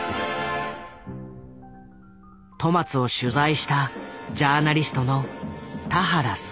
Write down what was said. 戸松を取材したジャーナリストの田原総一朗。